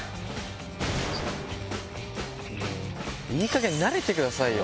いいかげん慣れてくださいよ。